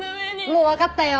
もうわかったよー！